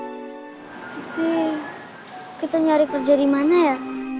tapi kita nyari kerja dimana ya